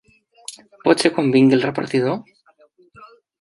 Pot ser quan vingui el repartidor?